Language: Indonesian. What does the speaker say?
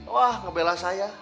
wah ngebela saya